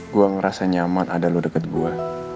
gue ngerasa nyaman ada lo deket gue